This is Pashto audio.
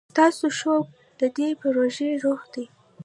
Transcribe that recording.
ستاسو شوق د دې پروژې روح دی.